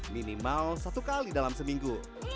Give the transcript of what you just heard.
minimal satu kali dalam seminggu